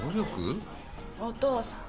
お父さん。